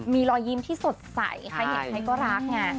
มีรอยยิ้มที่สดใสใครเห็นใครก็รักไง